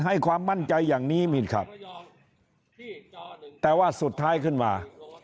ให้ความมั่นใจอย่างนี้มินครับแต่ว่าสุดท้ายขึ้นมา